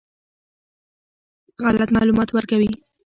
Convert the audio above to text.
غلط معلومات ورکوي.